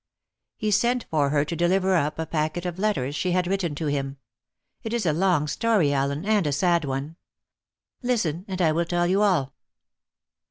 "He sent for her to deliver up a packet of letters she had written to him. It is a long story, Allen, and a sad one. Listen, and I will tell you all."